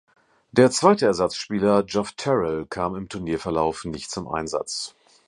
Der zweite Ersatzspieler Geoff Tyrrell kam im Turnierverlauf nicht zum Einsatz.